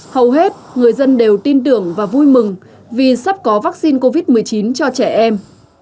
hầu hết người dân đều tin tưởng và vui mừng vì sắp có vaccine covid một mươi chín cho trẻ em